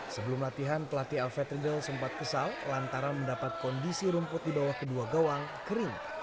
sebelum latihan pelatih alfred riedel sempat kesal lantaran mendapat kondisi rumput di bawah kedua gawang kering